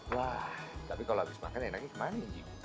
wah tapi kalau habis makan enaknya kemana ini